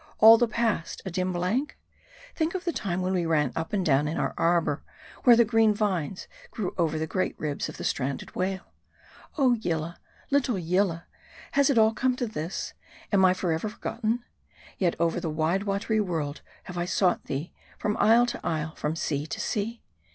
All the past a dim blank ? Think of the time when we ran up and down in our arbor, where the green vines grew over the great ribs of the stranded whale. Oh Yillah, little Yillah, has it all come to this ? am I forever forgotten ? Yet over the wide watery world have I sought thee : from isle to isle, from sea to sea.